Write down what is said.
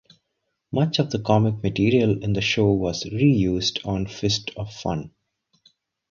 Much of the comic material in the show was re-used on "Fist of Fun".